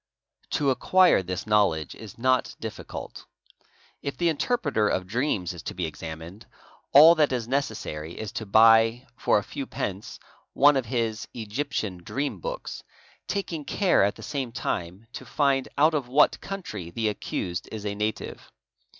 "To acquire this knowledge is not difficult. If the interpreter of c re ams "'—™ is to be examined, all that is necessary is to buy (for q os few pence) one of his " Egyptian Dream Books," taking care at the same time to find out of what country the accused is a native.